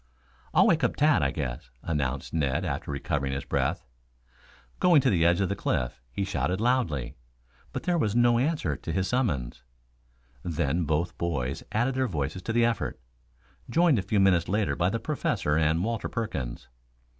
"I'll wake up Tad, I guess," announced Ned after recovering his breath. Going to edge of the cliff, he shouted loudly. But there was no answer to his summons. Then both boys added their voices to the effort, joined a few minutes later by the Professor and Walter Perkins.